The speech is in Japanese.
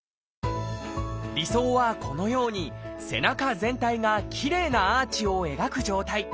理想はこのように背中全体がきれいなアーチを描く状態。